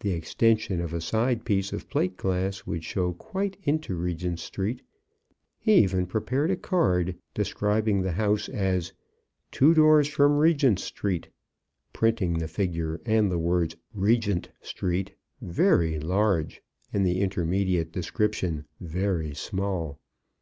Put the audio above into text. The extension of a side piece of plate glass would show quite into Regent Street. He even prepared a card, describing the house as "2 doors from Regent Street," printing the figure and the words "Regent Street" very large, and the intermediate description very small.